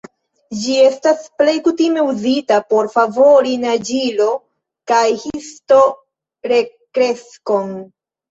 Ĝi estas plej kutime uzita por favori naĝilo- kaj histo-rekreskon.